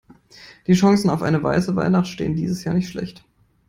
Die Chancen auf eine weiße Weihnacht stehen dieses Jahr nicht schlecht.